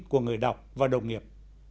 của người đọc và đồng nghiệp